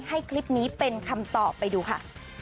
ให้คลิปนี้เป็นคำตอบไปดูค่ะ